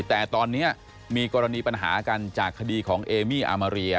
แต่ตอนนี้มีกรณีปัญหากันจากคดีของเอมี่อามาเรีย